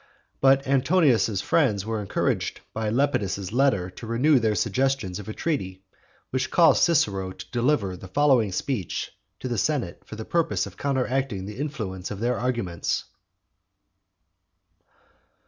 But Antonius's friends were encouraged by Lepidus's letter to renew their suggestions of a treaty; which caused Cicero to deliver the following speech to the senate for the purpose of counteracting the influence of their arguments.